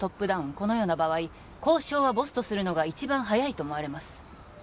このような場合交渉はボスとするのが一番早いと思われます